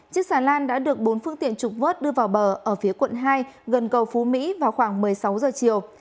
chiếc xà lan đã được bốn phương tiện trục vớt đưa vào bờ ở phía quận hai gần cầu phú mỹ vào khoảng một mươi sáu giờ chiều